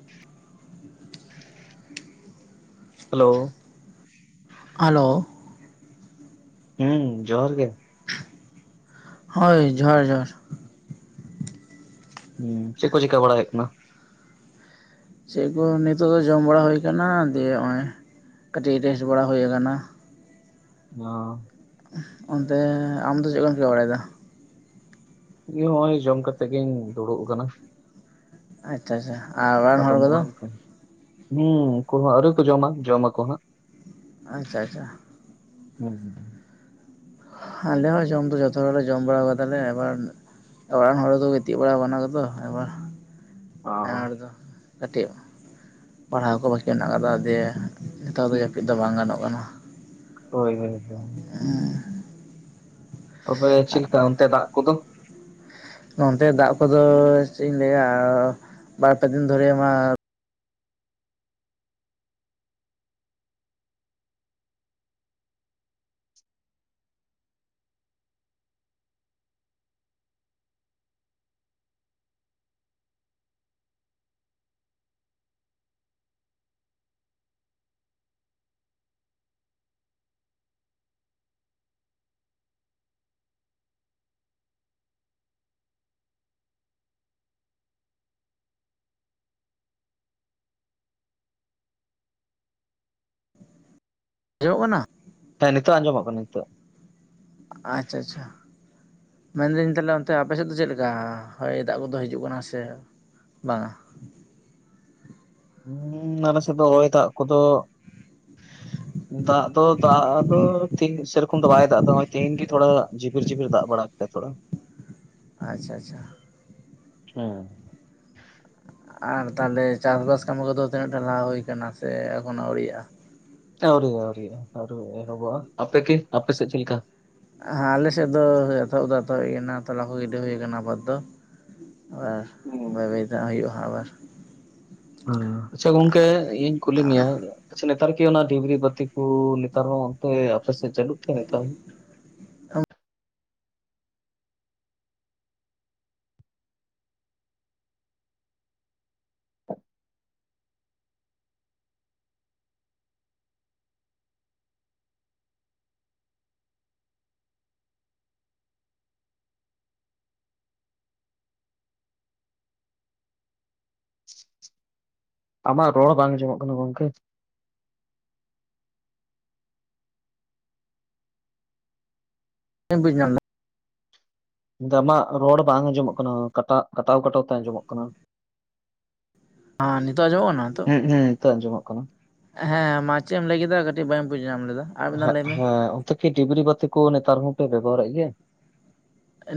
[unintelligible] Hello. Hello. ᱦᱮᱸ ᱡᱚᱦᱟᱨ ᱜᱮ᱾ ᱦᱳᱭ ᱡᱚᱦᱟᱨ ᱡᱚᱦᱟᱨ᱾ ᱦᱮᱸ ᱪᱮᱫ ᱠᱚ ᱪᱤᱠᱟ ᱵᱟᱲᱟᱭ ᱦᱩᱭᱩᱜ ᱠᱟᱱᱟ ᱪᱮᱫ ᱠᱚ ᱱᱤᱛᱚᱜ ᱫᱚ ᱡᱚᱢ ᱵᱟᱲᱟ ᱦᱩᱭᱩ ᱟᱠᱟᱱᱟ, ᱫᱤᱭᱮ ᱱᱚᱚᱭ ᱠᱟᱹᱴᱤᱡ ᱨᱮᱥᱴ ᱵᱟᱲᱟ ᱦᱩᱭᱩ ᱟᱠᱟᱱᱟ᱾ ᱚ ᱚᱱᱛᱮ ᱟᱢ ᱫᱚ ᱪᱮᱫ ᱠᱚᱢ ᱪᱤᱠᱮ ᱵᱟᱲᱟᱭ ᱫᱟ? ᱤᱧ ᱦᱚᱸ ᱱᱚᱚᱭ ᱡᱚᱢ ᱠᱟᱛᱮᱜ ᱜᱤᱧ ᱫᱩᱲᱩᱵ ᱟᱠᱟᱱᱟ᱾ ᱟᱪᱪᱷᱟ ᱟᱪᱪᱷᱟ ᱟᱨ ᱨᱮᱱ ᱟᱫᱚ ᱦᱚᱲ ᱠᱚᱫᱚ ᱢᱳᱵᱟᱭᱤᱞ ᱦᱮᱸ ᱩᱱᱠᱩᱦ ᱟᱹᱣᱨᱤ ᱠᱚ ᱡᱚᱢᱟ ᱡᱚᱢ ᱟᱠᱚ ᱦᱟᱸᱜ ᱟᱪᱪᱷᱟ ᱟᱪᱪᱷᱟ᱾ ᱦᱩᱸᱻ ᱟᱞᱮ ᱦᱚᱸ ᱡᱚᱢ ᱫᱚ ᱡᱚᱛᱚ ᱦᱚᱲ ᱞᱮ ᱡᱚᱢ ᱵᱟᱲᱟ ᱟᱠᱟᱫᱟᱞᱮ ᱮᱵᱟᱨ᱾ ᱚᱲᱟᱜ ᱦᱚᱲ ᱫᱚ ᱜᱤᱛᱤᱡ ᱵᱟᱲᱟ ᱟᱠᱟᱱᱟ ᱠᱚ, ᱮᱵᱟᱨ ᱚ ᱟᱨᱫᱚ ᱠᱟᱹᱴᱤᱡ ᱯᱟᱲᱦᱟᱣ ᱠᱚ ᱵᱟᱠᱤ ᱢᱮᱱᱟᱜ ᱟᱠᱟᱫᱟ ᱫᱤᱭᱮ ᱱᱮᱛᱟᱨ ᱫᱚ ᱦᱩᱸ ᱡᱟᱹᱯᱤᱫ ᱫᱚ ᱵᱟᱝ ᱜᱟᱱᱚᱜ ᱠᱟᱱᱟ᱾ ᱦᱳᱭ ᱦᱳᱭ ᱦᱳᱭ ᱛᱚᱵᱮ ᱪᱮᱫ ᱞᱮᱠᱟ ᱚᱱᱛᱮ ᱫᱟᱜ ᱠᱚᱫᱚ? ᱱᱚᱱᱛᱮ ᱫᱟᱜ ᱠᱚᱫᱚ ᱪᱮᱫ ᱤᱧ ᱞᱟᱹᱭᱟ ᱵᱟᱨᱯᱮ ᱫᱤᱱ ᱫᱷᱚᱨᱮ ᱢᱟ ᱦᱳᱭᱳᱜ ᱠᱟᱱᱟ? ᱦᱮᱸ ᱱᱤᱛᱚᱜ ᱟᱸᱡᱚᱢᱚᱜ ᱠᱟᱱᱟ ᱱᱤᱛᱚᱜ᱾ ᱟᱪᱪᱷᱟ ᱟᱪᱪᱷᱟ ᱢᱮᱱᱫᱟᱹᱧ ᱛᱟᱷᱞᱮ ᱚᱱᱛᱮ ᱟᱯᱮ ᱥᱮᱫ ᱫᱚ ᱪᱮᱫ ᱞᱮᱠᱟ ᱦᱚᱭ ᱫᱟᱜ ᱠᱚᱫᱚ ᱦᱤᱡᱩᱜ ᱠᱟᱱᱟ? ᱥᱮ ᱵᱟᱝᱟ᱾ ᱦᱩᱸ ᱟᱞᱮ ᱥᱮᱫ ᱫᱚ ᱦᱚᱭ ᱫᱟᱜ ᱠᱚᱫᱚ [unintelligible] ᱫᱟᱜ ᱫᱚ ᱫᱟᱜ ᱫᱚ ᱴᱷᱤᱠ ᱥᱮᱨᱚᱠᱚᱢ ᱫᱚ ᱵᱟᱭ ᱫᱟᱜ ᱮᱫᱟ ᱱᱚᱜᱻᱚᱭ ᱛᱮᱦᱤᱧ ᱜᱮ ᱛᱷᱚᱲᱟ ᱡᱷᱤᱯᱤᱨ ᱡᱷᱤᱯᱤᱨ ᱫᱟᱜ ᱵᱟᱲᱟ ᱛᱷᱚᱲᱟ [unintelligible] ᱟᱪᱪᱷᱟ ᱟᱪᱪᱷᱟ ᱾ ᱦᱩᱸ ᱟᱨ ᱛᱟᱦᱚᱞᱮ ᱪᱟᱥᱵᱟᱥ ᱠᱟᱹᱢᱤ ᱠᱚᱫᱚ ᱛᱤᱱᱟᱹᱜ ᱴᱟ ᱞᱟᱦᱟ ᱦᱩᱭ ᱟᱠᱟᱱᱟ ᱥᱮ ᱮᱠᱷᱚᱱ ᱦᱚᱸ ᱟᱹᱣᱨᱤᱭᱟᱜᱼᱟ? ᱟᱹᱣᱨᱤ ᱟᱹᱣᱨᱤᱭᱟᱜᱼᱟ ᱟᱹᱣᱨᱤ ᱮᱦᱚᱵᱚᱜᱼᱟ ᱾ ᱟᱯᱮ ᱜᱮ ᱟᱯᱮ ᱥᱮᱛ ᱪᱮᱛ ᱞᱮᱠᱟ? ᱦᱮᱸ ᱟᱞᱮ ᱥᱮᱫ ᱫᱚ ᱮᱛᱚᱦᱚᱵ ᱫᱚ ᱮᱛᱚᱦᱚᱵ ᱦᱩᱭ ᱮᱱᱟ ᱛᱚᱞᱟ ᱠᱚ ᱜᱤᱰᱤ ᱦᱩᱭ ᱟᱠᱟᱱᱟ ᱵᱟᱹᱫᱽ ᱫᱚ᱾ ᱟᱨ ᱦᱩᱸ ᱵᱟᱹᱭ ᱵᱟᱹᱭ ᱛᱮ ᱦᱟᱸ ᱦᱩᱭᱩᱜᱼᱟ ᱟᱵᱟᱨ᱾ ᱦᱚᱸ ᱟᱪᱪᱷᱟ ᱜᱚᱝᱠᱮ ᱤᱧ ᱠᱩᱞᱤ ᱢᱮᱭᱟ ᱟᱪᱪᱷᱟ ᱱᱮᱛᱟᱨ ᱠᱤ ᱚᱱᱟ ᱰᱤᱵᱨᱤ ᱵᱟᱹᱛᱤ ᱠᱚ ᱱᱮᱛᱟᱨ ᱦᱚᱸ ᱚᱱᱛᱮ ᱟᱯᱮ ᱥᱮᱛ ᱪᱟᱹᱞᱩᱜ ᱛᱮ? ᱟᱢᱟᱜ ᱨᱚᱲ ᱵᱟᱝ ᱟᱡᱚᱢᱚᱜ ᱠᱟᱱᱟ ᱜᱚᱢᱠᱮ᱾ ᱮᱢ ᱵᱟᱹᱧ ᱧᱟᱢᱫᱟ ᱟᱢᱟᱜ ᱨᱚᱲ ᱵᱟᱝ ᱟᱸᱡᱚᱢᱚᱜ ᱠᱟᱱᱟ ᱠᱟᱴᱟᱜ, ᱠᱟᱴᱟᱣ ᱠᱟᱴᱟᱣ ᱛᱮ ᱟᱸᱡᱚᱢᱚᱜ ᱠᱟᱱᱟ ᱾ ᱦᱚᱸ ᱱᱤᱛᱚᱜ ᱟᱸᱡᱚᱢᱚᱜ ᱠᱟᱱᱟ ᱱᱤᱛᱚᱜ ᱦᱮᱸ ᱦᱮᱸ ᱱᱤᱛᱚᱜ ᱟᱸᱡᱚᱢᱚᱜ ᱠᱟᱱᱟ ᱾ ᱦᱮᱸ ᱢᱟ ᱪᱮᱫ ᱮᱢ ᱞᱟᱹᱭ ᱠᱮᱫᱟ ᱠᱟᱹᱴᱤᱡ ᱵᱟᱹᱧ ᱵᱩᱡᱽ ᱧᱟᱢ ᱞᱮᱫᱟ᱾ ᱟᱨ ᱢᱤᱫ ᱫᱷᱟᱣ ᱦᱮᱸ ᱞᱟᱹᱭ ᱢᱮ? ᱦᱮᱸ ᱚᱱᱛᱮ ᱠᱤ ᱰᱤᱵᱨᱤ ᱵᱟᱹᱛᱤ ᱠᱚ ᱱᱮᱛᱟᱨ ᱦᱚᱸᱯᱮ ᱵᱮᱵᱚᱦᱟᱨᱮᱫ ᱜᱮᱭᱟ?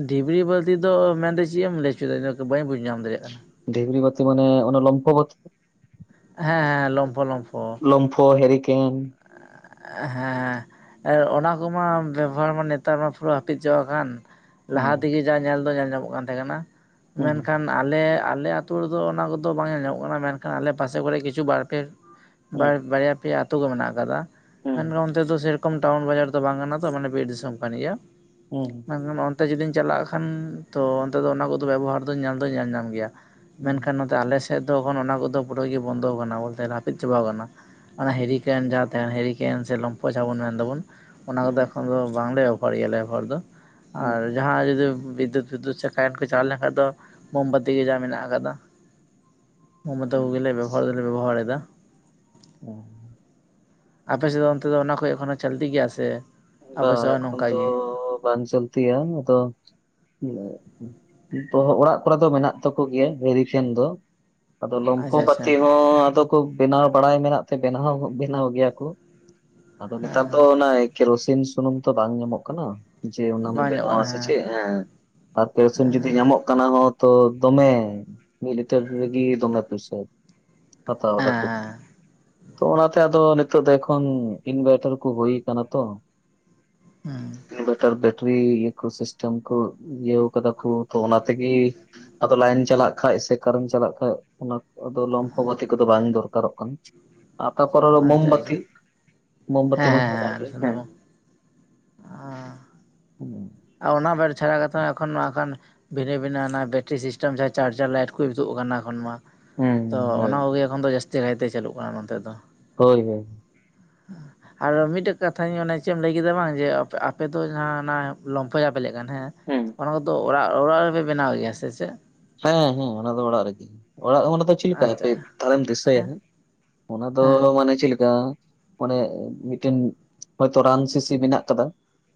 ᱰᱤᱵᱨᱤ ᱵᱟᱹᱛᱤ ᱫᱚ ᱢᱮᱱᱫᱚ ᱪᱮᱫ ᱮᱢ ᱞᱟᱹᱭ ᱚᱪᱚᱭᱮᱫᱟ? ᱵᱟᱹᱧ ᱵᱩᱡᱽ ᱧᱟᱢ ᱫᱟᱲᱮᱭᱟᱜ ᱠᱟᱱᱟ᱾ ᱰᱤᱵᱨᱤ ᱵᱟᱹᱛᱤ ᱢᱟᱱᱮ ᱚᱱᱮ ᱞᱚᱢᱯᱷᱚ ᱵᱟᱹᱛᱤ ᱾ ᱦᱮᱸ ᱞᱚᱢᱯᱷᱚ ᱞᱚᱢᱯᱷᱚ᱾ ᱞᱚᱢᱯᱷᱚ, ᱦᱮᱨᱤᱠᱮᱱ ᱾ ᱦᱮᱸᱦᱮᱸ ᱟᱨ ᱚᱱᱟ ᱠᱚᱢᱟ ᱵᱮᱵᱷᱟᱨ ᱢᱟ ᱱᱮᱛᱟᱨ ᱢᱟ ᱯᱩᱨᱟᱹ ᱦᱟᱹᱯᱤᱛ ᱪᱟᱵᱟᱜ ᱠᱟᱱ ᱾ ᱞᱟᱦᱟ ᱦᱩᱸ ᱛᱮᱜᱮ ᱡᱟ ᱧᱮᱞ ᱫᱚ ᱧᱮᱞ ᱧᱟᱢᱚᱜ ᱠᱟᱱ ᱛᱟᱦᱮᱸ ᱠᱟᱱᱟ, ᱦᱩᱸ ᱦᱩᱸ ᱢᱮᱱᱠᱷᱟᱱ ᱟᱞᱮ ᱟᱞᱮ ᱟᱛᱩ ᱨᱮᱫᱚ ᱚᱱᱟ ᱠᱚᱫᱚ ᱵᱟᱝ ᱧᱮᱞ ᱧᱟᱢᱚᱜ ᱠᱟᱱᱟ ᱢᱮᱱᱠᱷᱟᱱ ᱟᱞᱮ ᱯᱟᱥᱮ ᱠᱚᱨᱮ ᱜᱮ ᱠᱤᱪᱷᱩ ᱵᱟᱨ ᱯᱮ ᱦᱩᱸ ᱵᱟᱨᱭᱟ ᱯᱮᱭᱟ ᱟᱛᱜ ᱠᱚᱢᱮᱱᱟᱜ ᱟᱠᱟᱫᱟ ᱦᱩᱸ ᱢᱮᱱᱠᱷᱟᱱ ᱱᱚᱛᱮ ᱫᱚ ᱥᱮ ᱨᱚᱠᱚᱢ ᱴᱟᱣᱩᱱ ᱵᱟᱡᱟᱨ ᱫᱚ ᱵᱟᱝ ᱠᱟᱱᱟ ᱛᱚ ᱢᱟᱱᱮ ᱵᱤᱨ ᱫᱤᱥᱚᱢ ᱠᱟᱱ ᱜᱮᱭᱟ᱾ ᱦᱩᱸ᱾ ᱢᱮᱱᱠᱷᱟᱱ ᱚᱱᱛᱮ ᱡᱩᱫᱤᱧ ᱪᱟᱞᱟᱜ ᱠᱷᱟᱱ ᱛᱚ ᱚᱱᱛᱮ ᱫᱚ ᱚᱱᱟ ᱠᱚᱫᱚ ᱵᱮᱵᱚᱦᱟᱨ ᱫᱚ ᱧᱮᱞ ᱫᱚᱧ ᱧᱮᱞ ᱧᱟᱢ ᱜᱮᱭᱟ᱾ ᱢᱮᱱᱠᱷᱟᱱ ᱦᱩᱸ ᱱᱚᱛᱮ ᱟᱞᱮ ᱥᱮᱫ ᱫᱚ ᱮᱠᱷᱚᱱ ᱚᱱᱟ ᱠᱚᱫᱚ ᱯᱩᱨᱟᱹ ᱤᱭᱟᱹ ᱵᱚᱱᱫᱚ ᱟᱠᱟᱱᱟ ᱵᱚᱞᱮ ᱦᱟᱹᱯᱤᱫ ᱪᱟᱵᱟᱣ ᱟᱠᱟᱱᱟ ᱾ ᱚᱱᱟ ᱦᱮᱨᱤ ᱠᱮᱱ ᱡᱟᱦᱟᱸ ᱛᱟᱦᱮᱸᱱ ᱦᱮᱨᱤ ᱠᱮᱱ ᱥᱮ ᱞᱚᱢᱯᱷᱚ ᱡᱟᱦᱟᱸ ᱵᱚᱱ ᱢᱮᱱ ᱫᱟᱵᱚᱱ ᱚᱱᱟ ᱠᱚᱫᱚ ᱮᱠᱷᱚᱱ ᱫᱚ ᱵᱟᱝᱞᱮ [unintelligible] ᱦᱚᱲ ᱫᱚ ᱦᱩᱸ ᱟᱨ ᱡᱟᱦᱟᱸ ᱡᱩᱫᱤ ᱵᱤᱫᱽᱫᱩᱛ ᱯᱷᱤᱫᱽᱫᱩᱛ ᱥᱮ ᱠᱟᱨᱮᱱᱴ ᱠᱚ ᱪᱟᱞᱟᱣ ᱞᱮᱱᱠᱷᱟᱱ ᱫᱚ ᱢᱳᱢᱵᱟᱛᱤ ᱜᱮ ᱡᱟ ᱢᱮᱱᱟᱜ ᱟᱠᱟᱫᱟ ᱾ [unintelligible] ᱦᱩᱸ ᱠᱚᱜᱮᱞᱮ ᱵᱮᱵᱚᱦᱟᱨ ᱫᱚᱞᱮ ᱵᱮᱵᱚᱦᱟᱨ ᱮᱫᱟ ᱾ ᱚᱸ [inaudible] ᱟᱯᱮᱥᱮᱫ ᱫᱚ ᱚᱱᱛᱮ ᱫᱚ ᱚᱱᱟ ᱠᱚ ᱮᱠᱷᱚᱱᱳ ᱪᱚᱞᱛᱤ ᱜᱮᱭᱟ ᱥᱮ ᱟᱯᱮ ᱵᱟᱝ ᱥᱮᱫ ᱦᱚᱸ ᱮᱠᱷᱚᱱ ᱱᱚᱝᱠᱟ ᱫᱚ ᱜᱮ ᱵᱟᱝ ᱪᱚᱞᱛᱤᱭᱟ ᱟᱫᱚ ᱾ ᱛᱚ ᱚᱲᱟᱜ ᱠᱚᱨᱮ ᱫᱚ ᱢᱮᱱᱟᱜ ᱛᱟᱠᱚ ᱜᱮᱭᱟ ᱦᱮᱨᱤᱠᱮᱱ ᱫᱚ ᱾ ᱟᱫᱚ ᱞᱚᱢᱯᱷᱚ ᱟᱪᱪᱷᱟ ᱟᱪᱪᱷᱟ ᱵᱟᱛᱤ ᱦᱚᱸ ᱟᱫᱚ ᱠᱚ ᱵᱮᱱᱟᱣ ᱵᱟᱲᱟᱭ ᱢᱮᱱᱟᱜ ᱛᱮ ᱵᱮᱱᱟᱣ ᱦᱚᱸᱠᱚ ᱵᱮᱱᱟᱣ ᱜᱮᱭᱟ ᱠᱚ ᱟᱫᱚ ᱦᱮᱸ ᱱᱮᱛᱟᱨ ᱫᱚ ᱚᱱᱟ ᱠᱮᱨᱳᱥᱤᱱ ᱥᱩᱱᱩᱢ ᱛᱚ ᱵᱟᱝ ᱧᱟᱢᱚᱜ ᱠᱟᱱᱟ ᱾ ᱡᱮ ᱚᱱᱟᱢ ᱵᱟᱝ ᱧᱚᱜ ᱵᱮᱱᱟᱣ ᱠᱟᱱᱟ ᱟ ᱥᱮ ᱪᱮᱫ ᱦᱮᱸ? ᱟᱨ ᱯᱮ ᱥᱮᱱ ᱡᱩᱫᱤ ᱧᱟᱢᱚᱜ ᱠᱟᱱᱟ ᱦᱚᱸ ᱛᱚ ᱫᱚᱢᱮ ᱾ ᱢᱤᱛ ᱞᱤᱛᱟᱹᱨ ᱨᱮᱜᱤ ᱫᱚᱢᱮ ᱚᱯᱤᱥᱟᱨ ᱾ ᱦᱟᱛᱟᱣ ᱫᱟᱠᱚ ᱦᱮᱸ ᱛᱚ ᱚᱱᱟᱛᱮ ᱟᱫᱚ ᱱᱤᱛᱚᱜ ᱫᱚ ᱮᱠᱷᱚᱱ ᱤᱱᱵᱷᱟᱭᱛᱟᱨ ᱠᱚ ᱦᱩᱭ ᱠᱟᱱᱟ ᱾ ᱛᱚ ᱦᱮᱸ ᱦᱩᱸ ᱤᱱᱵᱷᱟᱴᱟᱨ [unintelligible] ᱨᱤ ᱤᱠᱳ ᱥᱤᱥᱴᱮᱢ ᱠᱚ ᱤᱭᱟᱹᱣ ᱠᱟᱫᱟ ᱠᱚ ᱛᱚ ᱛᱷᱚ ᱚᱱᱟ ᱛᱮᱜᱤ ᱟᱫᱚ ᱞᱟᱭᱤᱱ ᱪᱟᱞᱟᱜ ᱠᱷᱟᱡ ᱥᱮ ᱠᱟᱨᱮᱱ ᱪᱟᱞᱟᱜ ᱠᱷᱟᱡ ᱚᱱᱟ ᱟᱫᱚ ᱞᱚᱢᱯᱷᱚ ᱜᱟᱛᱮ ᱠᱚᱫᱚ ᱵᱟᱝ ᱫᱚᱨᱠᱟᱨᱚᱜ ᱠᱟᱱᱟ ᱟᱨ ᱛᱟᱨᱯᱚᱨᱮ ᱟᱫᱚ ᱟᱪᱪᱷᱟ ᱟᱪᱪᱷᱟ ᱢᱳᱢᱵᱟᱛᱤ ᱢᱳᱢᱵᱟᱛᱤ ᱦᱮᱸ ᱦᱮᱸ ᱦᱮᱸ ᱵᱚᱸ [unintelligible] [unintelligible] ᱯᱩᱱ ᱟᱨ ᱚᱱᱟ ᱵᱮᱨ ᱪᱷᱟᱰᱟ ᱠᱟᱛᱮ ᱦᱚᱸ ᱮᱠᱷᱚᱱ ᱱᱟᱜᱠᱷᱟᱱ ᱵᱷᱤᱱᱟᱹ ᱵᱷᱤᱱᱟᱹ ᱚᱱᱟ ᱵᱮᱴᱨᱤ ᱥᱤᱥᱴᱮᱢ ᱡᱟᱦᱟᱸ ᱪᱟᱨᱡᱟᱨ ᱞᱟᱭᱤᱴ ᱠᱚ ᱡᱩᱛᱩᱜ ᱠᱟᱱᱟ ᱮᱠᱷᱚᱱ ᱢᱟ, ᱛᱚ ᱦᱳᱭ ᱚᱱᱟ ᱠᱚᱜᱮ ᱮᱠᱷᱚᱱ ᱫᱚ ᱡᱟᱹᱥᱛᱤ ᱠᱟᱭᱛᱮ ᱪᱟᱹᱞᱩᱜ ᱠᱟᱱᱟ ᱱᱚᱛᱮ ᱫᱚ ᱦᱳᱭ ᱦᱳᱭ ᱟᱨ ᱢᱤᱫᱴᱮᱡ ᱠᱟᱛᱷᱟᱧᱮ ᱪᱮᱫ ᱮᱢ ᱞᱟᱹᱭ ᱠᱮᱫᱟ ᱵᱟᱝ ᱡᱮ ᱟᱯᱮᱫᱚ ᱡᱟᱦᱟᱸ ᱚᱱᱟ ᱞᱚᱢᱯᱷᱚ ᱡᱟᱦᱟᱸ ᱯᱮ ᱞᱟᱹᱭᱮᱫ ᱠᱟᱱ ᱦᱮᱸ ᱦᱩᱸ ᱚᱱᱟ ᱠᱚᱫᱚ ᱚᱲᱟᱜ ᱚᱲᱟᱜ ᱨᱮᱯᱮ ᱵᱮᱱᱟᱣ ᱜᱮᱭᱟ ᱥᱮ ᱪᱮᱫ ᱦᱮᱸ ᱦᱮᱸ ᱚᱱᱟ ᱫᱚ ᱚᱲᱟᱜ ᱨᱮ ᱜᱮ ᱚᱲᱟᱜ ᱚᱱᱟ ᱫᱚ ᱪᱮᱫ ᱞᱮᱠᱟ ᱟᱪᱪᱷᱟ ᱛᱟᱦᱚᱞᱮᱢ ᱫᱤᱥᱟᱹᱭᱟ ᱦᱮᱸ ᱚᱱᱟ ᱫᱚ ᱦᱮᱸ ᱢᱟᱱᱮ ᱪᱮᱫ ᱞᱮᱠᱟ ᱚᱱᱮ ᱢᱤᱫᱴᱮᱱ ᱦᱚᱭᱛᱚ ᱨᱟᱱ ᱥᱤᱥᱤ ᱢᱮᱱᱟᱜ ᱟᱠᱟᱫᱟ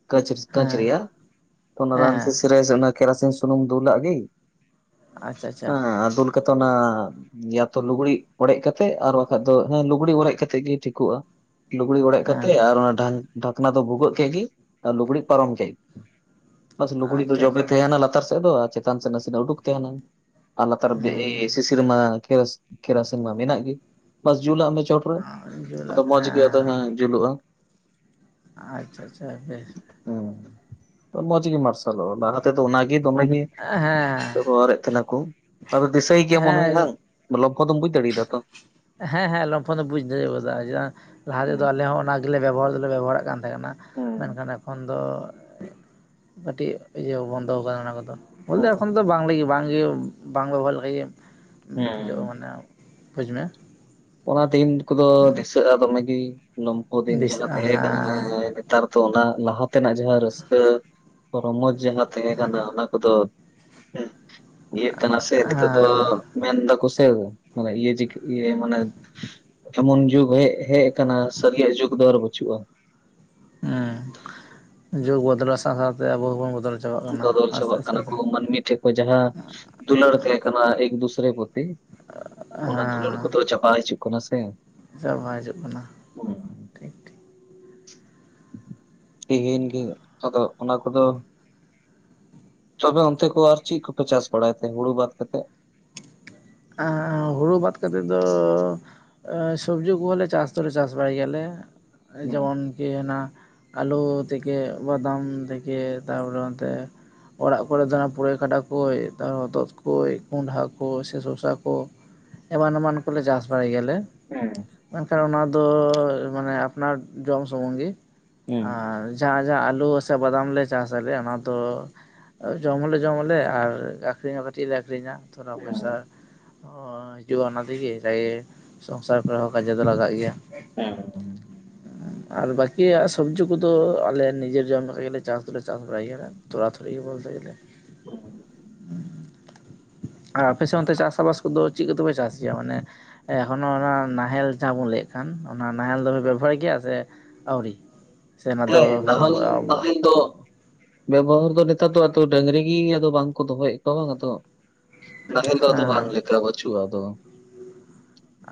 ᱠᱟᱸᱹᱪ ᱠᱟᱹᱸᱪ ᱦᱮᱸ ᱨᱮᱭᱟᱜ ᱛᱚ ᱚᱱᱟ ᱨᱟᱱ ᱦᱮᱸ ᱥᱤᱥᱤ ᱨᱮ ᱚᱱᱟ ᱠᱮᱨᱟᱥᱤᱱ ᱥᱩᱱᱩᱢ ᱫᱩᱞᱟᱜ ᱜᱮ ᱟᱪᱪᱷᱟ ᱟᱪᱪᱷᱟ ᱦᱮᱸ ᱫᱩᱞ ᱠᱟᱛᱮ ᱚᱱᱟ ᱭᱟᱛᱚ ᱞᱩᱜᱽᱲᱤᱡ ᱚᱲᱮᱡ ᱠᱟᱛᱮᱜ ᱟᱨ ᱵᱟᱠᱷᱟᱡ ᱫᱚ ᱦᱮᱸ ᱞᱩᱜᱽᱲᱤᱡ ᱚᱲᱮᱡ ᱠᱟᱛᱮᱜ ᱜᱮ ᱴᱷᱤᱠᱚᱜᱼᱟ᱾ ᱞᱩᱜᱽᱲᱤ ᱚᱲᱮᱡ ᱦᱮᱸ ᱠᱟᱛᱮᱜ ᱟᱨ ᱚᱱᱟ ᱰᱷᱟ ᱰᱷᱟᱠᱱᱟ ᱫᱚ ᱵᱷᱩᱜᱟᱹᱜ ᱠᱮᱫ ᱜᱮ ᱟᱨ ᱞᱩᱜᱽᱲᱤᱡ ᱯᱟᱨᱚᱢ ᱠᱮᱫ ᱜᱮ ᱵᱟᱥ ᱞᱩᱜᱽᱲᱤ ᱫᱚ ᱟᱪᱪᱷᱟ ᱡᱚᱵᱮ ᱟᱪᱪᱷᱟ ᱛᱟᱦᱮᱱᱟ ᱞᱟᱛᱟᱨ ᱥᱮᱫ ᱫᱚ ᱟᱨ ᱪᱮᱛᱟᱱ ᱥᱮᱫ ᱱᱟᱥᱮᱱᱟᱜ ᱩᱰᱩᱠ ᱛᱟᱦᱮᱱᱟ ᱟᱨ ᱞᱟᱛᱟᱨ [unintelligible] ᱦᱮᱸ ᱥᱤᱥᱤ ᱨᱮᱢᱟ ᱠᱮᱨ ᱠᱮᱨᱟᱥᱤᱱ ᱢᱟ ᱢᱮᱱᱟᱜ ᱜᱮ ᱵᱟᱥ ᱡᱩᱞᱟᱜ ᱢᱮ ᱪᱚᱴ ᱯᱩᱨᱟᱹ ᱡᱩᱞ ᱟᱫᱚ ᱢᱚᱸᱡᱽ ᱜᱮ ᱟᱫᱚ ᱦᱮᱸ ᱦᱟᱸᱜ ᱡᱩᱞᱩᱜᱼᱟ ᱟᱪᱷᱟ ᱟᱪᱷᱟ ᱵᱮᱥ ᱦᱩᱸ ᱢᱚᱡᱽ ᱜᱮ ᱢᱟᱨᱥᱟᱞᱚᱜ-ᱟ ᱞᱟᱦᱟ ᱛᱮᱫᱚ ᱚᱱᱟ ᱜᱮ ᱫᱚᱢᱮ ᱜᱮ ᱦᱮᱸ ᱚᱨᱮᱫ ᱛᱟᱦᱮᱱᱟ ᱠᱚ ᱟᱫᱚ ᱫᱤᱥᱟᱹᱭ ᱜᱮᱭᱟ ᱢᱚᱱᱮ ᱦᱮᱸ ᱞᱚᱢᱯᱷᱚ ᱫᱚᱢ ᱵᱩᱡ ᱫᱟᱲᱮᱭᱟᱫᱟ ᱛᱚ ᱦᱮᱸ ᱦᱮᱸ ᱞᱚᱢᱯᱷᱚ ᱫᱚ ᱵᱩᱡ ᱫᱟᱲᱮᱭᱟᱫᱟ [unintelligible] ᱡᱮ ᱞᱟᱦᱟ ᱛᱮᱫᱚ ᱦᱮᱸ ᱟᱞᱮ ᱦᱚᱸ ᱚᱱᱟ ᱜᱮᱞᱮ ᱵᱮᱵᱚᱦᱟᱨ ᱫᱚᱞᱮ ᱵᱮᱵᱚᱦᱟᱨᱟᱜ ᱠᱟᱱ ᱛᱟᱦᱮᱸᱱᱟ ᱦᱮᱸ ᱚᱱᱟ ᱢᱮᱱᱠᱷᱟᱱ ᱮᱠᱷᱚᱱ ᱫᱚ ᱠᱟᱹᱴᱤᱡ ᱤᱭᱟᱹ ᱵᱚᱱᱫᱚ ᱟᱠᱟᱱᱟ ᱚᱱᱟ ᱠᱚᱫᱚ ᱵᱚᱞᱮ ᱦᱮᱸ ᱮᱠᱷᱚᱱ ᱫᱚ ᱵᱟᱝ ᱞᱮ ᱵᱟᱝ ᱜᱮ ᱵ [unintelligible] ᱞᱮᱠᱷᱟ ᱜᱮ ᱵᱩᱡᱷᱟᱹᱜᱼᱟ ᱦᱮᱸ ᱢᱟᱱᱮ ᱵᱩᱡᱽ ᱢᱮ ᱚᱱᱟ ᱫᱤᱱ ᱠᱚᱫᱚ ᱫᱤᱥᱟᱹᱜᱼᱟ ᱫᱚᱢᱮ ᱜᱮ ᱞᱚᱢᱯᱷᱚ ᱫᱤᱱ ᱡᱟᱸᱦᱟ ᱫᱤᱥᱟᱹᱜᱼᱟ ᱛᱟᱦᱮᱸ ᱦᱮᱸ ᱠᱟᱱᱟ ᱱᱮᱛᱟᱨ ᱫᱚ ᱚᱱᱟ ᱞᱟᱦᱟ ᱛᱮᱱᱟᱜ ᱡᱟᱦᱟᱸ ᱨᱟᱹᱥᱠᱟᱹ ᱨᱚᱢᱚᱡ ᱡᱟᱦᱟᱸ ᱛᱟᱦᱮᱸ ᱠᱟᱱᱟ ᱚᱱᱟ ᱠᱚᱫᱚ ᱦᱮᱸ ᱤᱭᱟᱹᱜ ᱠᱟᱱᱟ ᱥᱮ ᱱᱤᱛᱚᱜ ᱫᱚ ᱢᱮᱱᱫᱟ ᱠᱚ ᱥᱮ ᱤᱭᱟᱹ ᱢᱟᱱᱮ [unintelligible] ᱮᱢᱚᱱ ᱡᱩᱜ ᱦᱮ ᱦᱮᱡ ᱟᱠᱟᱱᱟ ᱥᱟᱹᱨᱤᱭᱟᱜ ᱡᱩᱜᱽ ᱫᱚ ᱟᱨ ᱵᱟᱹᱪᱩᱜᱼᱟ ᱦᱩᱸ ᱡᱩᱜ ᱵᱚᱫᱚᱞᱚᱜ ᱥᱟᱣ ᱥᱟᱣᱛᱮ ᱟᱵᱚ ᱦᱚᱸᱵᱚᱱ ᱵᱚᱫᱚᱞ ᱪᱟᱵᱟᱜ ᱠᱟᱱᱟ ᱵᱚᱫᱚᱞ ᱟᱥᱛᱮ ᱪᱟᱵᱟᱜ ᱟᱥᱛᱮ ᱠᱟᱱᱟ ᱠᱚ ᱛᱮ ᱢᱟᱹᱱᱢᱤ ᱴᱷᱮᱱ ᱠᱷᱚᱱ ᱡᱟᱦᱟᱸ ᱫᱩᱞᱟᱹᱲ ᱛᱟᱦᱮᱸ ᱠᱟᱱᱟ ᱮᱠ ᱫᱩᱥᱨᱮ ᱯᱚᱨᱛᱤ ᱚᱱᱟ ᱫᱩᱞᱟᱹᱲ ᱠᱚᱫᱚ ᱪᱟᱵᱟ ᱦᱤᱡᱩᱜ ᱠᱟᱱᱟ ᱥᱮ ᱪᱟ ᱵᱟ ᱦᱤᱡᱩᱜ ᱠᱟᱱᱟ ᱴᱷᱤᱠ ᱴᱷᱤᱠ ᱛᱮᱦᱮᱧ ᱜᱮ ᱟᱫᱚ ᱚᱱᱟ ᱠᱚᱫᱚ, ᱛᱚᱵᱮ ᱚᱱᱛᱮ ᱠᱚ ᱟᱨ ᱪᱮᱫ ᱠᱚᱯᱮ ᱪᱟᱥ ᱵᱟᱲᱟᱭ ᱛᱮ ᱦᱩᱲᱩ ᱵᱟᱫ ᱠᱟᱛᱮᱫ? ᱦᱮᱸ ᱦᱮᱸ ᱦᱩᱲᱩ ᱵᱟᱫ ᱠᱟᱛᱮᱫ ᱫᱚ ᱮᱸ ᱥᱚᱵᱡᱤ ᱠᱚᱦᱚᱸᱞᱮ ᱪᱟᱥ ᱫᱚᱞᱮ ᱪᱟᱥ ᱵᱟᱲᱟᱭ ᱜᱮᱭᱟᱞᱮ ᱦᱮᱸ ᱡᱮᱢᱚᱱ [unintelligible] ᱟᱞᱩ ᱛᱷᱮᱠᱮ ᱵᱟᱫᱟᱢ ᱛᱷᱮᱠᱮ ᱛᱟᱯᱚᱨᱮ ᱚᱱᱛᱮ ᱚᱲᱟᱜ ᱠᱚᱨᱮ ᱫᱚ ᱯᱩᱨᱟᱹᱭ ᱠᱷᱟᱰᱟ ᱠᱚ ᱦᱚᱛᱚᱫ ᱠᱚ ᱠᱚᱸᱰᱷᱟ ᱠᱚ ᱥᱮ [unintelligible] ᱠᱚ ᱮᱢᱟᱱ ᱮᱢᱟᱱ ᱠᱚᱞᱮ ᱪᱟᱥ ᱵᱟᱲᱟᱭ ᱜᱮᱭᱟ ᱞᱮ ᱦᱩᱸ ᱢᱮᱱᱠᱷᱟᱱ ᱚᱱᱟ ᱫᱚ ᱢᱟᱱᱮ ᱟᱯᱱᱟᱨ ᱡᱚᱢ ᱥᱩᱢᱩᱝ ᱜᱮ ᱦᱮᱸ ᱟᱨ ᱡᱟᱦᱟᱸ ᱡᱟᱦᱟᱸ ᱟᱹᱞᱩ ᱥᱮ ᱵᱟᱫᱟᱢ ᱞᱮ ᱪᱟᱥ ᱟᱞᱮ ᱚᱱᱟ ᱫᱚ ᱡᱚᱢ ᱦᱚᱸᱞᱮ ᱡᱚᱢ ᱟᱞᱮ ᱟᱨ ᱟᱠᱷᱨᱤᱧ ᱦᱚᱸ ᱠᱟᱹᱴᱤᱡ ᱞᱮ ᱟᱠᱷᱨᱤᱧᱟ ᱛᱷᱚᱲᱟ ᱯᱚᱭᱥᱟ ᱦᱚᱸ ᱦᱤᱡᱩᱜᱼᱟ ᱚᱱᱟ ᱛᱮᱜᱮ ᱡᱟᱜᱮ ᱥᱚᱝᱥᱟᱨ ᱠᱚᱨᱮ ᱦᱚᱸ ᱠᱟᱡᱮ ᱫᱚ ᱞᱟᱜᱟᱜ ᱜᱮᱭᱟ ᱦᱮᱸ [inaudible] ᱟᱨ ᱵᱟᱠᱤᱭᱟᱜ ᱥᱚᱵᱽᱡᱤ ᱠᱚᱫᱚ ᱟᱞᱮ ᱱᱤᱡᱮᱨ ᱡᱚᱢ ᱞᱮᱜᱤᱜ ᱜᱮᱞᱮ ᱪᱟᱥ ᱫᱚᱞᱮ ᱪᱟᱥ ᱵᱟᱲᱟᱭ ᱜᱮᱭᱟ᱾ ᱛᱳᱲᱟᱛᱷᱩᱲᱤ ᱜᱮ ᱵᱚᱞᱛᱮ ᱜᱮᱞᱮ [inaudible] ᱟᱨ ᱟᱯᱮ ᱥᱮᱱ ᱚᱱᱛᱮ ᱪᱟᱥ ᱪᱟᱥᱵᱟᱥ ᱠᱚᱫᱚ ᱪᱮᱫ ᱠᱚᱛᱮᱯᱮ ᱪᱟᱥ ᱜᱮᱭᱟ ᱢᱟᱱᱮ ᱦᱮᱸ ᱚᱱ ᱚᱱᱟ ᱱᱟᱦᱮᱞ ᱡᱟᱦᱟᱸ ᱵᱚᱱ ᱞᱟᱹᱭᱮᱫ ᱠᱟᱱ ᱚᱱᱟ ᱱᱟᱦᱮᱞ ᱫᱚᱵᱮ ᱵᱮᱵᱚᱦᱟᱨ ᱜᱮᱭᱟ ᱥᱮ ᱟᱹᱣᱨᱤ ᱥᱮ ᱚᱱᱟ ᱛᱮ ᱫᱚ ᱦᱮᱸ ᱱᱟᱦᱟᱞ ᱱᱟᱦᱮᱞ ᱫᱚ ᱵᱮᱵᱚᱦᱟᱨ ᱫᱚ ᱱᱮᱛᱟᱨ ᱫᱚ ᱟᱫᱚ ᱰᱟᱹᱝᱨᱤ ᱜᱤ ᱟᱫᱚ ᱵᱟᱝᱠᱚ ᱫᱚᱦᱚᱭᱮᱫ ᱠᱚᱣᱟᱜ ᱵᱟᱝ ᱟᱫᱚ ᱱᱟᱦᱮᱞ ᱫᱚ ᱟᱫᱚ ᱵᱟᱝ ᱦᱮᱸ ᱞᱮᱠᱟ ᱵᱟᱪᱩᱜᱼᱟ ᱟᱫᱚ᱾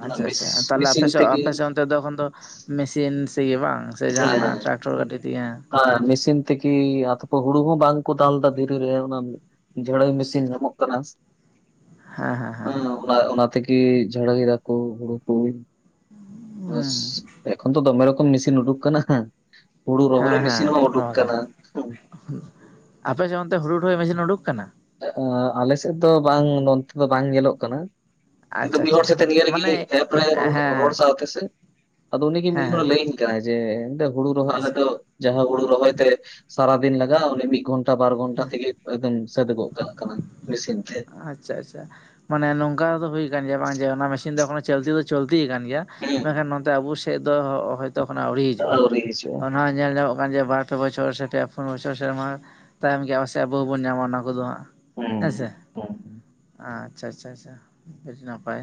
ᱚᱱᱟ ᱟᱪᱪᱷᱟ ᱢᱮᱥ ᱟᱪᱪᱷᱟ ᱛᱟᱦᱚᱞᱮ ᱟᱯᱮ ᱢᱮᱥᱤᱱ ᱥᱮᱫ ᱛᱮᱜᱮ ᱟᱯᱮᱥᱮᱫ ᱚᱱ ᱛᱮ ᱛᱚᱠᱷᱚᱱ ᱫᱚ ᱢᱮᱥᱤᱱ ᱥᱮ ᱤᱭᱟ. ᱵᱟᱝ ᱥᱮ ᱡᱟᱦᱱᱟᱜ ᱴᱨᱟᱠᱴᱚᱨ ᱜᱟᱹᱰᱤ ᱛᱮ ᱦᱚᱭ ᱢᱮᱥᱤᱱ ᱛᱮᱠᱤ ᱟᱫᱚ ᱦᱩᱲᱩ ᱦᱚᱸ ᱵᱟᱝ ᱠᱚ ᱫᱟᱞ ᱫᱟ ᱫᱷᱤᱨᱤ ᱨᱮ ᱚᱱᱟ ᱡᱷᱟᱹᱲᱟᱹᱭ ᱢᱮᱥᱤᱞ ᱧᱟᱢᱚᱜ ᱠᱟᱱᱟ᱾ ᱦᱮᱸ ᱦᱮᱸ ᱦᱮᱸ ᱚᱱᱟ ᱛᱮᱜᱮ ᱡᱷᱟᱹᱲᱟᱹᱭ ᱫᱟᱠᱚ ᱦᱩᱲᱩ ᱠᱚ᱾ ᱦᱩᱸ ᱮᱠᱷᱚᱱ ᱛᱚ ᱫᱚᱢᱮ ᱨᱚᱠᱚᱢ ᱢᱮᱥᱤᱱ ᱩᱰᱩᱠ ᱠᱟᱱᱟ ᱦᱩᱲᱩ ᱨᱚᱦᱚᱭ ᱢᱮᱥᱤᱱ ᱦᱚᱸ ᱩᱰᱩᱠ ᱠᱟᱱᱟ᱾ ᱟᱯ ᱥᱮ ᱚᱱᱛᱮ ᱦᱩᱲᱩ ᱨᱚᱦᱚᱭ ᱢᱮᱥᱤᱱ ᱩᱰᱩᱠ ᱠᱟᱱᱟ ᱟᱞᱮ ᱥᱮᱫ ᱫᱚ ᱵᱟᱝ ᱱᱚᱱᱛᱮ ᱫᱚ ᱵᱟᱝ ᱧᱮᱞᱚᱜ ᱠᱟᱱᱟ ᱟᱪᱪᱷᱟ ᱟᱪᱪᱷᱟ ᱢᱤᱫᱦᱚᱲ ᱦᱮᱸ ᱥᱟᱣᱛᱮ ᱱᱤᱭᱟᱹ ᱨᱤᱜᱤ ᱢᱟᱱᱮ ᱮᱯ ᱨᱮ ᱦᱮᱸ ᱦᱮᱸ ᱨᱚᱲ ᱥᱟᱣᱛᱮ ᱥᱮ ᱟᱫᱚ ᱩᱱᱤᱜᱮ ᱢᱤᱫ ᱦᱚᱲᱮ ᱦᱮᱸ ᱞᱟᱹᱭᱟᱹᱧ ᱠᱟᱱᱟ ᱡᱮ ᱦᱩᱲᱩ ᱨᱚᱦᱚᱭ ᱟᱞᱮ ᱟᱪᱪᱷᱟ ᱫᱚ ᱡᱟᱦᱟᱸ ᱦᱩᱲᱩ ᱨᱚᱦᱚᱭ ᱛᱮ ᱥᱟᱨᱟ ᱫᱤᱱ ᱞᱟᱜᱟᱜ ᱚᱱᱤ ᱢᱤᱫ ᱜᱷᱚᱱᱴᱟ ᱵᱟᱨ ᱜᱷᱚᱱᱴᱟ ᱦᱮᱸ ᱛᱮᱜᱮ ᱮᱠᱫᱚᱢ ᱥᱟᱹᱫᱚᱜᱚᱜ ᱠᱟᱜ ᱠᱟᱱᱟ ᱢᱮᱥᱤᱱ ᱛᱮ ᱟᱪᱪᱷᱟ ᱟᱪᱪᱷᱟ, ᱢᱟᱱᱮ ᱱᱚᱝᱠᱟ ᱫᱚ ᱦᱩᱭ ᱟᱠᱟᱱ ᱜᱮᱭᱟ ᱵᱟᱝ ᱡᱮ ᱚᱱᱟ ᱢᱮᱥᱤᱱ ᱫᱚ ᱮᱠᱷᱚᱱᱳ ᱪᱚᱞᱛᱤ ᱫᱚ ᱪᱚᱞᱛᱤ ᱠᱟᱱ ᱜᱮᱭᱟ᱾ ᱢᱮᱱᱠᱷᱟᱱ ᱦᱮᱸ ᱱᱚᱛᱮ ᱟᱵᱚ ᱥᱮᱡ ᱫᱚ ᱦᱚᱳᱭᱛᱳ ᱮᱠᱷᱚᱱᱚ ᱟᱹᱣᱨᱤ ᱦᱤᱡᱩᱜᱼᱟ᱾ ᱟᱹᱣᱨᱤ ᱦᱤᱡᱩᱜᱼᱟ ᱚᱱᱟ ᱧᱮᱞ ᱧᱟᱢᱚᱜ ᱠᱟᱱ ᱡᱮ ᱵᱟᱨ ᱯᱮ ᱵᱚᱪᱷᱚᱨ ᱥᱮ ᱯᱮ ᱯᱩᱱ ᱵᱚᱪᱷᱚᱨ ᱥᱮᱨᱢᱟ ᱛᱟᱭᱚᱢ ᱜᱮᱭᱟ ᱯᱟᱥᱮ ᱟᱵᱚ ᱦᱚᱸᱵᱚᱱ ᱧᱟᱢᱟ ᱚᱱᱟ ᱠᱚᱫᱚ ᱦᱟᱸᱜ ᱦᱮᱸ ᱦᱮᱸᱥᱮ [inaudible] ᱟᱪᱪᱷᱟ ᱪᱷᱟ ᱪᱷᱟ ᱪᱷᱟ ᱟᱰᱤ ᱱᱟᱯᱟᱭ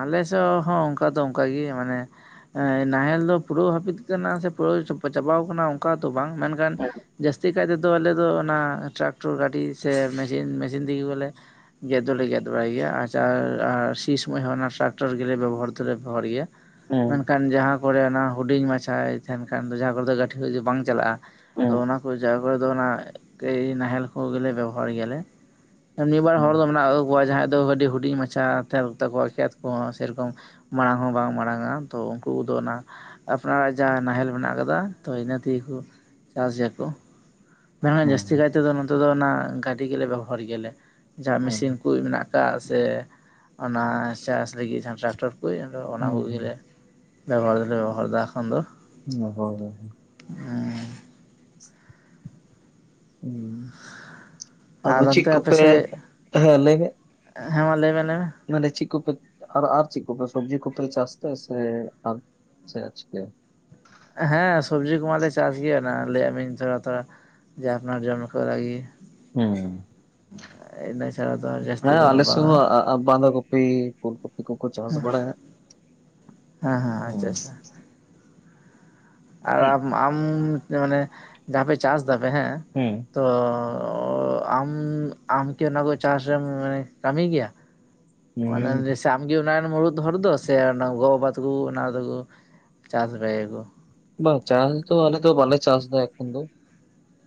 ᱟᱞᱮ ᱥᱮᱫ ᱦᱚᱸ ᱚᱱᱠᱟ ᱫᱚ ᱚᱱᱠ ᱜᱤ ᱢᱟᱱᱮ ᱱᱟᱦᱮᱞ ᱫᱚ ᱯᱩᱨᱟᱹᱣ ᱦᱟᱹᱯᱤᱫ ᱠᱟᱱᱟ ᱥᱮ ᱯᱩᱨᱟᱹᱣ ᱪᱟᱵᱟ ᱟᱠᱟᱱᱟ ᱚᱠᱟ ᱫᱚ ᱵᱟᱝ ᱢᱮᱱᱠᱷᱟᱱ ᱦᱮᱸ ᱡᱟᱹᱥᱛᱤ ᱪᱤᱠᱟᱭ ᱛᱮᱫᱚ ᱟᱞᱮ ᱫᱚ ᱚᱱᱟ ᱴᱨᱟᱠᱴᱚᱨ ᱜᱟᱹᱰᱤ ᱥᱮ ᱢᱮᱥᱤᱱ ᱢᱮᱥᱤᱱ ᱛᱮᱜᱮ ᱵᱚᱞᱮ ᱜᱮᱫ ᱫᱚᱞᱮ ᱜᱮᱫ ᱵᱟᱲᱟᱭ ᱜᱮᱭᱟ ᱟᱪᱟ ᱟᱨ ᱤᱝ ᱥᱚᱢᱚᱭ ᱦᱚᱸ ᱚᱱᱟ ᱴᱨᱟᱠᱴᱚᱨ ᱜᱮᱞᱮ ᱵᱮᱵᱚᱦᱟᱨ ᱫᱚᱞᱮ ᱵᱮᱵᱚᱦᱟᱨ ᱜᱮᱭᱟ ᱢᱮᱱᱠᱷᱟᱱ ᱡᱟᱦᱟᱸ ᱛᱟᱯᱚᱨᱮ ᱚᱱᱟ ᱦᱩᱰᱤᱧ ᱢᱟᱪᱷᱟ ᱛᱟᱦᱮᱱ ᱠᱷᱟᱱ ᱫᱚ ᱡᱟᱦᱟᱸ ᱠᱚᱨᱮ ᱫᱚ ᱜᱟᱹᱴᱷᱤ ᱠᱚ ᱵᱟᱝ ᱪᱟᱞᱟᱜᱼᱟ ᱛᱚ ᱦᱮᱸ ᱚᱱᱟ ᱠᱚᱨᱮ ᱡᱟᱭᱦᱳᱠ ᱦᱳᱭ ᱫᱚ ᱚᱱᱟ ᱜᱟ. ᱭ ᱱᱟᱦᱮᱞ ᱠᱚᱜᱮᱞᱮ ᱵᱮᱵᱚᱦᱟᱨ ᱜᱮᱭᱟᱞᱮ ᱱᱤᱭᱟᱹᱵᱟᱨ ᱦᱮᱸ ᱦᱚᱲ ᱫᱚ ᱚᱱᱟ ᱟᱵᱚᱣᱟᱜ ᱡᱟᱦᱟᱸᱭ ᱫᱚ ᱟᱹᱰᱤ ᱦᱩᱰᱤᱧ ᱢᱟᱪᱷᱟ [unintelligible] ᱠᱷᱮᱛ ᱠᱚᱦᱚᱸ ᱥᱮᱨᱚᱠᱚᱢ ᱢᱟᱲᱟᱝ ᱦᱚᱸ ᱵᱟᱝ ᱢᱟᱲᱟᱝᱟ ᱛᱚ ᱩᱱᱠᱩ ᱠᱚᱫᱚ ᱚᱱᱟ ᱟᱯᱱᱟᱨᱟᱜ ᱡᱟᱦᱟᱸ ᱱᱟᱦᱮᱞ ᱢᱮᱱᱟᱜ ᱟᱠᱟᱫᱟ ᱛᱚ ᱤᱱᱟᱹ ᱛᱮᱜᱮᱠᱚ ᱪᱟᱥ ᱜᱮᱭᱟᱠᱚ ᱢᱮᱱᱠᱷᱟᱱ ᱡᱟᱹᱥᱛᱤ ᱠᱟᱭ ᱛᱮᱫᱚ ᱱᱚᱛᱮ ᱫᱚ ᱚᱱᱟ ᱜᱟᱹᱰᱤ ᱜᱮᱞᱮ ᱵᱮᱵᱚᱦᱟᱨ ᱜᱮᱭᱟᱞᱮ ᱡᱟᱦᱟᱸ ᱦᱮᱸ ᱢᱮᱥᱤᱱ ᱠᱚ ᱢᱮᱱᱟᱜ ᱟᱠᱟᱜ ᱥᱮ ᱚᱱᱟ ᱪᱟᱥ ᱞᱟᱹᱜᱤᱫ ᱡᱟᱦᱟᱸ ᱴᱨᱟᱠᱴᱚᱨ ᱠᱚ ᱟᱫᱚ ᱚᱱᱟ ᱠᱚᱜᱮᱞᱮ ᱦᱩᱸ ᱵᱮᱵᱚᱦᱟᱨ ᱫᱚᱞᱮ ᱵᱮᱵᱚᱦᱟᱨᱫᱟ ᱮᱠᱷᱚᱱ ᱫᱚ [unintelligible] ᱦᱮᱸ [inaudible] ᱟᱫᱚ ᱟᱨ ᱪᱮᱫ ᱚᱱᱛᱮ ᱠᱚᱯᱮ, ᱟᱯᱮᱥᱮᱫ ᱦᱮ ᱞᱟᱹᱭᱢᱮ ᱦᱮᱸ ᱢᱟ ᱞᱟᱹᱭ ᱢᱮ ᱞᱟᱹᱭ ᱢᱮ ᱢᱟᱱᱮ ᱪᱮᱫ ᱠᱚᱯᱮ ᱟᱨ ᱟᱨ ᱪᱮᱫ ᱠᱚᱯᱮ ᱥᱚᱵᱡᱤ ᱠᱚᱯᱮ ᱪᱟᱥ ᱛᱟᱸᱦᱮᱡ ᱥᱮ [inaudible] ᱦᱮᱸ ᱥᱚᱵᱽᱡᱤ ᱠᱚᱢᱟᱞᱮ ᱪᱟᱥ ᱜᱮᱭᱟ ᱱᱟᱜ ᱞᱟᱹᱭᱟᱫ ᱢᱤᱧ ᱛᱷᱚᱲᱟ ᱛᱷᱚᱲᱟ ᱡᱮ ᱟᱯᱱᱟᱨ ᱡᱚᱢ ᱞᱮᱠᱟ ᱵᱟᱲᱟᱜᱤ ᱦᱩᱸ᱾ ᱤᱱᱟᱹ ᱪᱷᱟᱲᱟ ᱫᱚ ᱡᱟᱹᱥᱛᱤ ᱫᱚ ᱵᱟᱝᱟ ᱟᱨ ᱵᱟᱸᱫᱟ ᱠᱚᱯᱤ ᱯᱷᱩᱞ ᱠᱚᱯᱤ ᱠᱚᱠᱚ ᱪᱟᱥ ᱵᱟᱲᱟᱭᱟ, ᱦᱮᱸ ᱦᱮᱸ ᱟᱪᱪᱷᱟ ᱦᱩᱸ ᱟᱪᱪᱷᱟ ᱟᱨ ᱟᱢ ᱟᱢ ᱢᱟᱱᱮ ᱡᱟᱦᱟᱸ ᱯᱮ ᱪᱟᱥ ᱫᱟᱯᱮ ᱦᱮᱸ ᱦᱩᱸ ᱛᱚᱻ ᱟᱢ ᱟᱢᱠᱤ ᱚᱱᱟ ᱠᱚ ᱪᱟᱥ ᱨᱮᱢᱟᱱᱮ ᱠᱟᱹᱢᱤ ᱜᱮᱭᱟ ᱚᱱᱟ ᱦᱩᱸ [unintelligible] ᱟᱢᱜᱮ ᱚᱲᱟᱜ ᱨᱮᱱ ᱢᱩᱲᱩᱫ ᱦᱚᱲ ᱫᱚ ᱥᱮ ᱜᱚᱼ ᱵᱟᱵᱟ ᱛᱟᱠᱚ ᱚᱱᱟᱫᱚᱠᱚ ᱪᱟᱥ ᱵᱟᱲᱟᱭᱟᱠᱚ ᱵᱟᱝ ᱪᱟᱥ ᱫᱚ ᱟᱞᱮ ᱫᱚ ᱵᱟᱞᱮ ᱪᱟᱥ ᱮᱫᱟ ᱮᱠᱷᱚᱱ ᱫᱚ,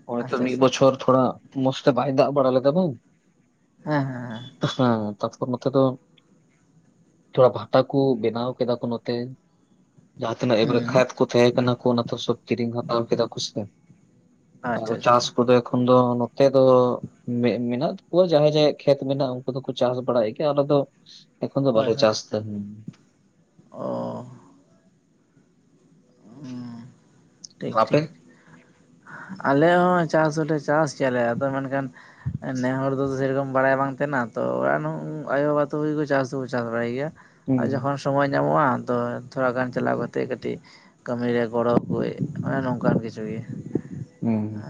ᱦᱚᱭᱛᱚ ᱟᱪᱪᱷᱟ ᱢᱤᱫ ᱟᱪᱪᱷᱟ ᱵᱚᱪᱷᱚᱨ ᱛᱷᱚᱲᱟ ᱢᱚᱥᱛᱮ ᱵᱟᱭ ᱫᱟᱜ ᱵᱟᱲᱟ ᱞᱮᱫᱟ ᱛᱚ ᱦᱮᱸ ᱦᱮᱸ ᱛᱟᱛᱯᱚᱨ ᱱᱚᱛᱮ ᱫᱚ ᱛᱷᱚᱲᱟ ᱵᱷᱟᱴᱟ ᱠᱚ ᱵᱮᱱᱟᱣ ᱠᱮᱫᱟ ᱠᱚ ᱱᱚᱛᱮ ᱡᱟᱦᱟᱸᱛᱤᱱᱟᱹᱜ ᱮᱼᱵᱟᱨᱮ ᱦᱩᱸ ᱠᱷᱟᱫ ᱠᱚ [unintelligible] ᱠᱚ ᱚᱱᱟᱛᱮ ᱥᱚᱵ ᱠᱤᱨᱤᱧ ᱦᱟᱛᱟᱣ ᱠᱮᱫᱟ ᱠᱚ ᱥᱮ ᱟᱪᱪᱷᱟ ᱟᱪᱪᱷᱟ ᱪᱟᱥ ᱟᱪᱪᱷᱟ ᱟᱫᱚ ᱮᱠᱷᱚᱱ ᱫᱚ ᱱᱚᱛᱮ ᱫᱚ ᱢᱮᱫ ᱢᱮᱱᱟᱜ ᱛᱟᱠᱚᱣᱟ ᱡᱟᱦᱟᱸᱭ ᱡᱟᱦᱟᱸᱭᱟᱜ ᱠᱷᱮᱛ ᱢᱮᱱᱟᱜ ᱩᱱᱠᱩ ᱫᱚᱠᱚ ᱪᱟᱥ ᱵᱟᱲᱟᱭ ᱜᱮᱭᱟ ᱟᱞᱮ ᱫᱚ ᱮᱠᱷᱚᱱ ᱫᱚ ᱦᱳᱭ ᱵᱟᱞᱮ ᱦᱳᱭ ᱪᱟᱥ ᱛᱟᱦᱮᱱ ᱚ [unintelligible] ᱴᱷᱤᱠ ᱟᱯᱮ? ᱴᱷᱤᱠ ᱟᱞᱮ ᱦᱚᱸ ᱪᱟᱥ ᱦᱚᱸᱞᱮ ᱪᱟᱥ ᱪᱮᱫ ᱨᱮ ᱟᱫᱚ ᱢᱮᱱᱠᱷᱟᱱ ᱱᱮ ᱦᱚᱲ ᱫᱚ ᱥᱮᱨᱚᱠᱚᱢ ᱵᱟᱲᱟᱭ ᱵᱟᱝ ᱛᱟᱦᱮᱱᱟ ᱛᱚ ᱚᱲᱟᱜ ᱨᱮ ᱟᱭᱚ ᱵᱟᱵᱟ ᱛᱚ ᱪᱟᱥ ᱫᱚ ᱪᱟᱥ ᱵᱟᱲᱟᱭ ᱜᱮᱭᱟ ᱦᱩᱸ ᱟᱨ ᱡᱚᱠᱷᱚᱱ ᱥᱚᱢᱚᱭ ᱧᱟᱢᱚᱜᱼᱟ ᱟᱫᱚ ᱛᱷᱚᱲᱟ ᱜᱟᱱ ᱪᱟᱞᱟᱣ ᱠᱟᱛᱮ ᱠᱟᱹᱴᱤᱡ ᱠᱟᱹᱢᱤ ᱨᱮ ᱜᱚᱲᱚ ᱠᱩᱡ ᱠᱟᱱᱟ ᱱᱚᱝᱠᱟᱱ ᱠᱤᱪᱷᱩ ᱜᱮ ᱦᱮᱸ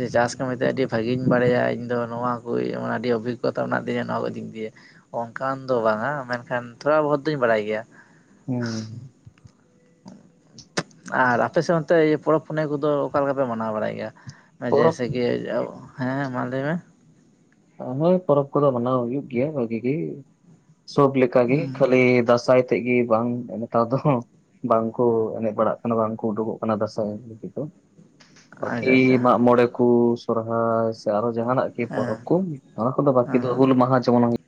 ᱡᱮ ᱪᱟᱥ ᱠᱟᱹᱢᱤᱛᱮ ᱟᱹᱰᱤ ᱵᱷᱟᱜᱮᱧ ᱵᱟᱲᱟᱭᱟ ᱤᱧ ᱫᱚ ᱱᱚᱣᱟ ᱠᱚ ᱟᱹᱰᱤ ᱚᱵᱷᱤᱜᱚᱛᱟ ᱢᱮᱱᱟᱜ ᱛᱤᱧᱟᱹ ᱱᱚᱣᱟ ᱠᱚ ᱫᱤᱠ ᱫᱤᱭᱟ ᱚᱝᱠᱟᱱ ᱫᱚ ᱵᱟᱝᱼᱟ ᱢᱮᱱᱠᱷᱟᱱ ᱛᱷᱚᱲᱟ ᱵᱷᱳᱨ ᱫᱩᱧ ᱵᱟᱲᱟᱭ ᱜᱮᱭᱟ ᱦᱩᱸ ᱟᱨ ᱟᱯᱮ ᱥᱮᱫ ᱱᱚᱱᱛᱮ ᱯᱚᱨᱚᱵᱽ ᱯᱩᱱᱟᱹᱭ ᱠᱚᱫᱚ ᱚᱠᱟ ᱞᱮᱠᱟ ᱯᱮ ᱢᱟᱱᱟᱣ ᱵᱟᱲᱟᱭ ᱜᱮᱭᱟ ᱯᱚᱨᱚᱵᱽ ᱡᱮᱭᱥᱮᱠᱤ ᱦᱮᱸ ᱢᱟ ᱞᱟᱹᱭ ᱢᱮ ᱚ, ᱦᱳᱭ ᱯᱚᱨᱚᱵᱽ ᱠᱚᱫᱚ ᱢᱟᱱᱟᱣ ᱦᱩᱭᱩᱜ ᱜᱮᱭᱟ ᱵᱷᱟᱜᱤ ᱜᱮ ᱥᱚᱵ ᱞᱮᱠᱟᱜᱮ ᱠᱷᱟᱞᱤ ᱫᱟᱸᱥᱟᱭ ᱛᱮᱫ ᱜᱮ ᱵᱟᱝ ᱱᱮᱛᱟᱨ ᱫᱚ ᱵᱟᱝᱠᱚ ᱮᱱᱮᱡ ᱵᱟᱲᱟᱜ ᱠᱟᱱᱟ ᱵᱟᱝ ᱠᱚ ᱩᱰᱩᱠᱚᱜ ᱠᱟᱱᱟ ᱫᱟᱸᱥᱟᱭ ᱮᱱᱮᱡ ᱞᱟᱹᱜᱤᱫᱤᱛ ᱫᱚ ᱟᱨᱠᱤ ᱟᱪᱪᱷᱟ ᱟᱪᱪᱷᱟ ᱢᱟᱜ ᱢᱚᱬᱮ ᱠᱚ ᱥᱚᱨᱦᱟᱭ ᱥᱮ ᱟᱨ ᱦᱚᱸ ᱡᱟᱦᱟᱱᱟᱜ ᱜᱮ ᱯᱚᱨᱚᱵᱽ ᱦᱮᱸ ᱚᱱᱟ ᱠᱚᱫᱚ ᱵᱟᱠᱤ ᱫᱚ ᱦᱮᱸ ᱦᱩᱞ ᱢᱟᱦᱟ ᱡᱮᱢᱚᱱ ᱦᱩᱭᱩᱜ